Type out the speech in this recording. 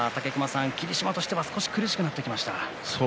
霧島は少し苦しくなってきました。